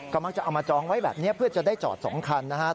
ก็มักจะเอามาจองไว้แบบนี้เพื่อจะได้จอด๒คันนะครับ